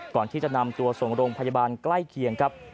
ก่อนที่จะนำตัวส่งโรงพยาบาลใกล้เคียงครับ